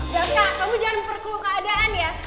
bapak kamu jangan memperkeluh keadaan ya